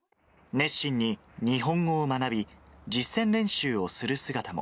熱心に日本語を学び、実践練習をする姿も。